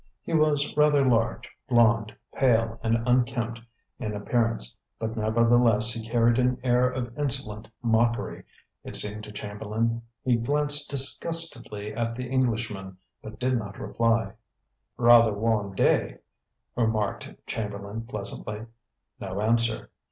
He was rather large, blond, pale and unkempt in appearance; but nevertheless he carried an air of insolent mockery, it seemed to Chamberlain. He glanced disgustedly at the Englishman, but did not reply. "Rather warm day," remarked Chamberlain pleasantly. No answer.